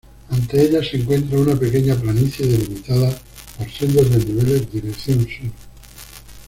Ante ella, se encuentra una pequeña planicie delimitada por sendos desniveles dirección sur.